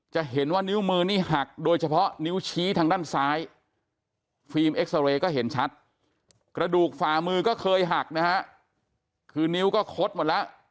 จะเห็นว่านิ้วมือนี่หักโดยเฉพาะนิ้วชี้ทางด้านซ้ายฟิล์มเอ็กซาเรย์ก็เห็นชัดกระดูกฝ่ามือก็เคยหักนะฮะคือนิ้วก็คดหมดแล้ว